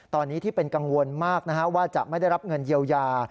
ตอนนี้ที่เป็นกังวลมากว่าจะไม่ได้รับเงินเยียวยา